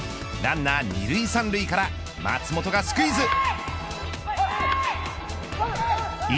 ランナー２塁３塁から松本がスクイズ。